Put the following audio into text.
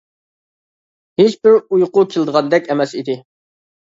ھېچ بىر ئۇيقۇ كېلىدىغاندەك ئەمەس ئىدى.